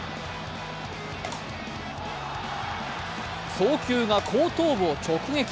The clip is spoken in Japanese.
送球が後頭部を直撃。